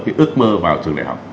cái ước mơ vào trường đại học